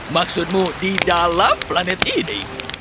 maksudmu di dalam planet ini